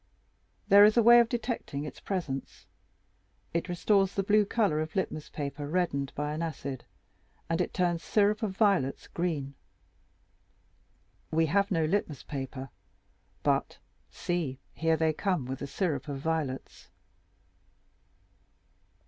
There is a way of detecting its presence. It restores the blue color of litmus paper reddened by an acid, and it turns syrup of violets green. We have no litmus paper, but, see, here they come with the syrup of violets."